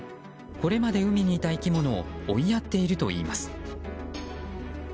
これまで海にいた生き物を追いやっているといいます。